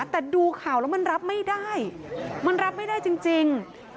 แต่ดูข่าวแล้วมันรับไม่ได้มันรับไม่ได้จริง